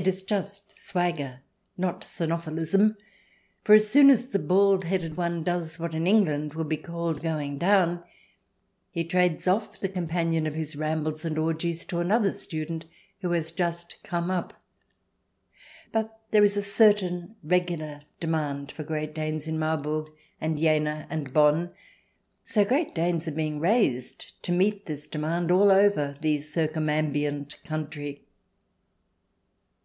It is just swagger, not cynophilism, for as soon as the bald headed one does what in England would be called " going down," he trades off the companion of his rambles and orgies to another student who has just "come up." But there is a certain regular demand for Great Danes in Marburg and Jena and Bonn, so Great Danes are being raised to meet this demand all over the circumambient country.